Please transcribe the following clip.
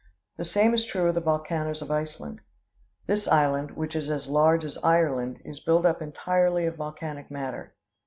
The same is true of the volcanoes of Iceland. This island, which is as large as Ireland, is built up entirely of volcanic matter.